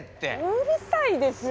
うるさいですよ！